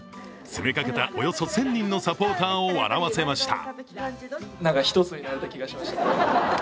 詰めかけたおよそ１０００人のサポーターを笑わせました。